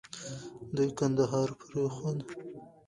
دوی کندهار پرېښود.